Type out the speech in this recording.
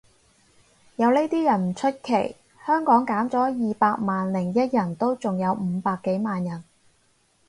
有呢啲人唔出奇，香港減咗二百萬零一人都仲有五百幾萬人